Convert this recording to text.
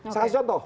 saya kasih contoh